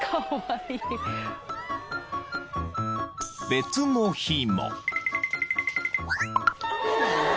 ［別の日も］